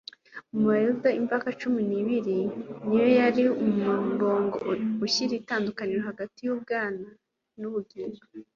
Mu Bayuda, imvaka cumi n'ibiri ni yo yari umurongo ushyira itandukaniro hagati y'ubwana n'ubugimbi.